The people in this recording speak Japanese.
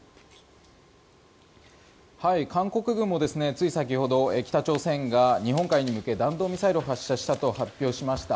韓国軍もつい先ほど北朝鮮が日本海に向け弾道ミサイルを発射したと発表しました。